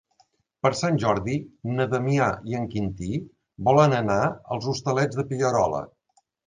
Per Sant Jordi na Damià i en Quintí volen anar als Hostalets de Pierola.